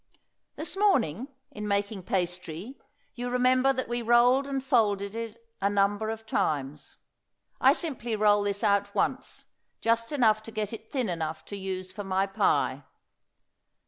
This morning, in making pastry, you remember that we rolled and folded it a number of times. I simply roll this out once, just enough to get it thin enough to use for my pie.